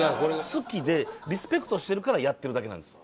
好きでリスペクトしてるからやってるだけなんです。